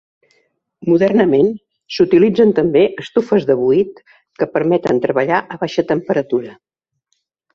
Modernament, s'utilitzen també estufes de buit que permeten treballar a baixa temperatura.